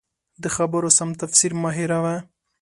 د خبرو سم تفسیر مه هېروه.